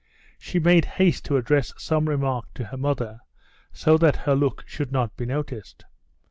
She made haste to address some remark to her mother, so that her look should not be noticed.